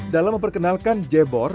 dalam memperkenalkan jebor